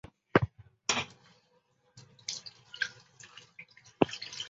有观念将获得既得资产的人定义为政治资本家并与腐败联系在一起。